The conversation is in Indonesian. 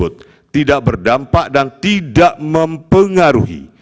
tidak berdampak dan tidak mempengaruhi